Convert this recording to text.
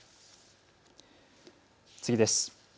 次です。